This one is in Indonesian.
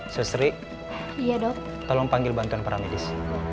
susri iya dok tolong panggil bantuan paramedis